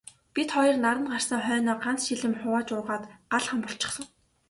Бид хоёр наранд гарсан хойноо ганц шил юм хувааж уугаад гал хам болчихсон.